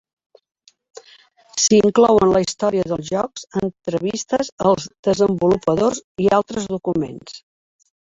S"hi inclouen la història dels jocs, entrevistes als desenvolupadors i altres documents.